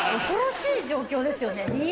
恐ろしい状況ですよね。